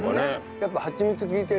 やっぱハチミツ利いてるね